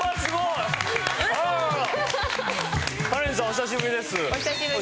お久しぶりです。